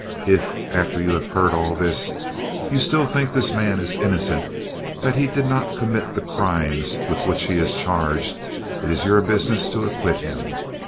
If, after you have heard all this, you still think this man is innocent—that he did not commit the crimes with which he is charged—it is your business to acquit him.